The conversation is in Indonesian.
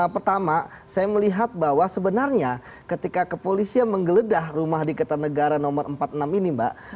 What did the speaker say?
pertama saya melihat bahwa sebenarnya ketika kepolisian menggeledah rumah di kertanegara nomor empat puluh enam ini mbak